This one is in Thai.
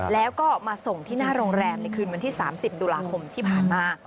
แล้วก็มาส่งที่หน้าโรงแรมในคืนวันที่๓๐ตุลาคมที่ผ่านมา